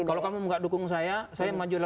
kalau kamu tidak dukung saya saya maju